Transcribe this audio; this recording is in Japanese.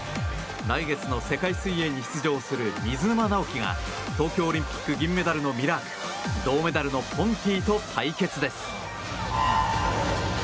来月の世界水泳に出場する水沼尚輝が、東京オリンピック銀メダルのミラーク銅メダルのポンティと対決です。